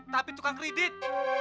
tapi tukang kredit